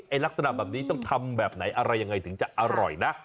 ลักษณะแบบนี้ต้องทำแบบไหนอะไรยังไงถึงจะอร่อยนะ